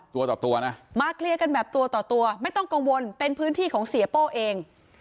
ตัวต่อตัวนะมาเคลียร์กันแบบตัวต่อตัวไม่ต้องกังวลเป็นพื้นที่ของเสียโป้เอง